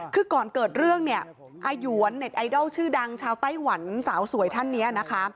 คือก่อนเกิดเรื่องเนี่ยอาหยวนเน็ตไอดอลชื่อดังชาวไต้หวันสาวสวยท่านนี้นะคะ